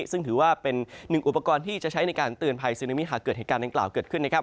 ซึ่งถือว่าเป็นหนึ่งอุปกรณ์ที่จะใช้ในการเตือนภัยซึนามิหากเกิดเหตุการณ์ดังกล่าวเกิดขึ้น